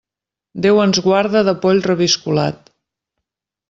Déu ens guarde de poll reviscolat.